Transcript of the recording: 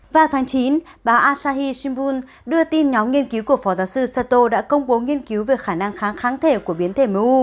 vào tháng chín bà asahi shimbul đưa tin nhóm nghiên cứu của phó giáo sư sato đã công bố nghiên cứu về khả năng kháng kháng thể của biến thể u